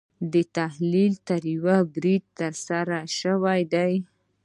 دا تحلیلونه تر یوه بریده ترسره شوي دي.